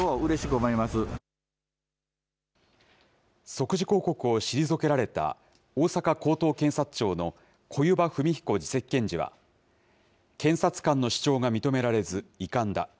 即時抗告を退けられた大阪高等検察庁の小弓場文彦次席検事は、検察官の主張が認められず、遺憾だ。